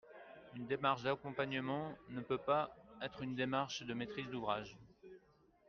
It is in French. Une démarche d’accompagnement ne peut pas être une démarche de maîtrise d’ouvrage.